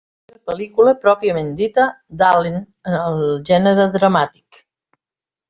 És la primera pel·lícula pròpiament dita d'Allen en el gènere dramàtic.